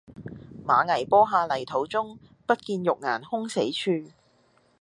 馬嵬坡下泥土中，不見玉顏空死處。